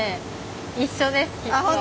一緒ですきっと。